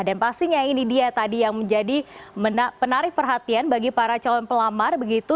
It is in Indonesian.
dan pastinya ini dia tadi yang menjadi menarik perhatian bagi para calon pelamar begitu